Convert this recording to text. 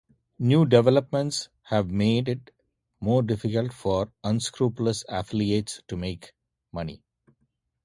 New developments have made it more difficult for unscrupulous affiliates to make money.